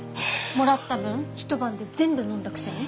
もらった分一晩で全部飲んだくせに。